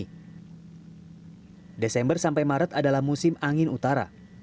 pada bulan september sampai maret adalah musim angin utara